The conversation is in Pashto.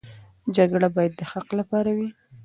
جګړه باید د حق لپاره وي.